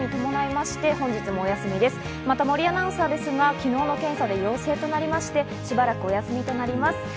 また森アナウンサーですが、昨日の検査で陽性となりまして、しばらくお休みとなります。